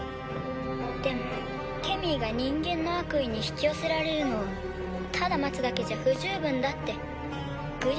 でもケミーが人間の悪意に引き寄せられるのをただ待つだけじゃ不十分だってグリオン様が言っている。